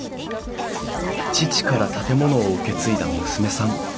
父から建物を受け継いだ娘さん。